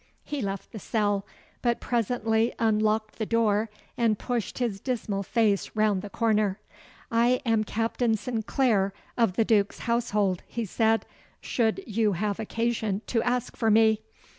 He left the cell, but presently unlocked the door and pushed his dismal face round the corner. 'I am Captain Sinclair, of the Duke's household,' he said, 'should you have occasion to ask for me.